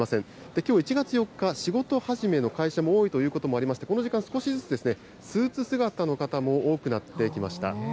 きょう１月４日、仕事始めの会社も多いということもありまして、この時間、少しずつ、スーツ姿の方も多くなってきました。